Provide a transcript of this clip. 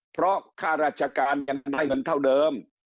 เพราะค่าราชการยังได้เงินเท่าเดิม